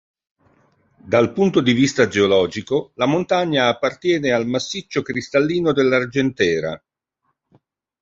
Dal punto di vista geologico, la montagna appartiene al "massiccio cristallino dell'Argentera".